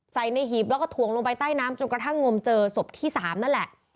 ใส่ในหีบแล้วก็ถ่วงลงไปใต้น้ำจนกระทั่งงมเจอศพที่๓นั่นแหละ